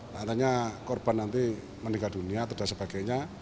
nantinya korban nanti meninggal dunia atau sebagainya